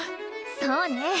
そうね！